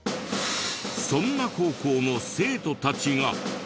そんな高校の生徒たちが。